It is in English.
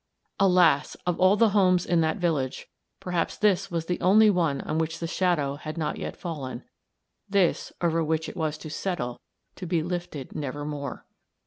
Alas! of all the homes in that village, perhaps this was the only one on which the shadow had not yet fallen this, over which it was to settle, to be lifted nevermore.